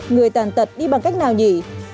người tàn tật đi bằng cách nào nhỉ